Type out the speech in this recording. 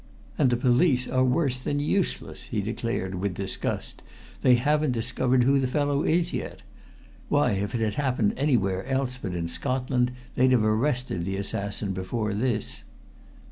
"And the police are worse than useless," he declared with disgust. "They haven't discovered who the fellow is yet. Why, if it had happened anywhere else but in Scotland, they'd have arrested the assassin before this."